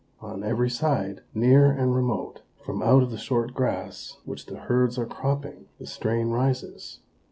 On every side, near and remote, from out the short grass which the herds are cropping, the strain rises.